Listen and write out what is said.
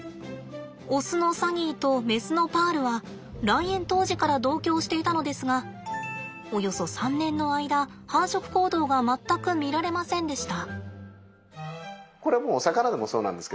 オスのサニーとメスのパールは来園当時から同居をしていたのですがおよそ３年の間繁殖行動が全く見られませんでした。